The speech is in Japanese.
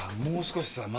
もう少しさ